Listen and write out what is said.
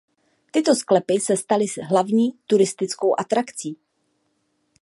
Tyto sklepy se staly hlavní turistickou atrakcí.